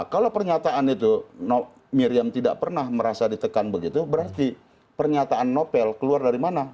kalau pernyataan itu miriam tidak pernah merasa ditekan begitu berarti pernyataan novel keluar dari mana